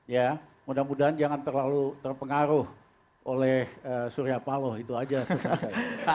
ya mudah mudahan jangan terlalu terpengaruh oleh surya paloh itu aja